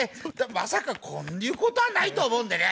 まさかこういうことはないと思うんでね。